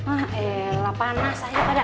eh elah panas aja pada